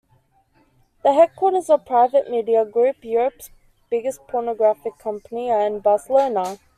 The headquarters of Private Media Group, Europe's biggest pornographic company, are in Barcelona.